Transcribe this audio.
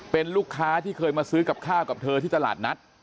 เป็นลูกค้าที่เคยมาซื้อกับข้าวกับเธอที่ตลาดนัด